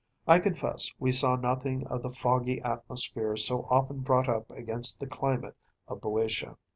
I confess we saw nothing of the foggy atmosphere so often brought up against the climate of BŇďotia.